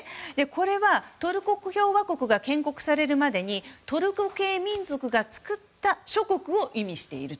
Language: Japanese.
これはトルコ共和国が建国されるまでにトルコ系民族が作った諸国を意味している。